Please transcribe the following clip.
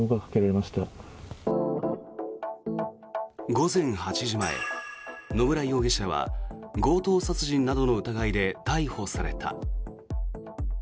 午前８時前、野村容疑者は強盗殺人などの疑いで逮捕された。